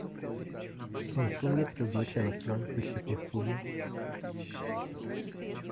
Samsung produz eletrônicos de consumo.